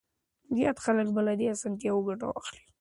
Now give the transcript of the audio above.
زيات خلک به له دې اسانتياوو ګټه واخلي.